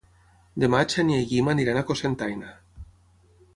Demà na Xènia i en Guim iran a Cocentaina.